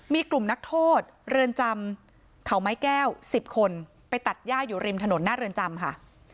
มีกลุ่มนักโทษเรือนจำเขาไม้แก้ว๑๐คนไปตัดย่าอยู่ริมถนนหน้าเรือนจำค่ะ